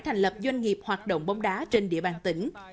thành lập doanh nghiệp hoạt động bóng đá trên địa bàn tỉnh